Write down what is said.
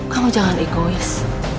kamu jangan egois